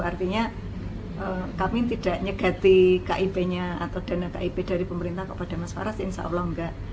artinya kami tidak nyegati kip nya atau dana kip dari pemerintah kepada mas waras insya allah enggak